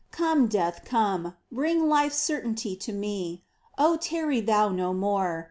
Come, Death, come, bring life's certainty to me, O tarry thou no more